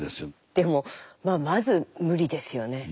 でもまあまず無理ですよね。